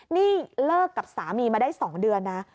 นี่เลิกกับสามีมาได้๒เดือนนะ